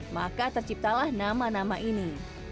maka terciptalah nama nama ini